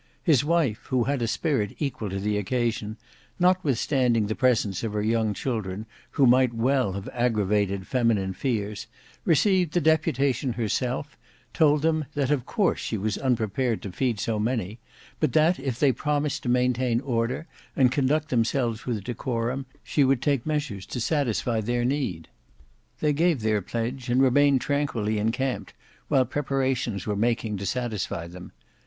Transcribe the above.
His wife, who had a spirit equal to the occasion, notwithstanding the presence of her young children who might well have aggravated feminine fears, received the deputation herself; told them that of course she was unprepared to feed so many, but that, if they promised to maintain order and conduct themselves with decorum, she would take measures to satisfy their need. They gave their pledge and remained tranquilly encamped while preparations were making to satisfy them.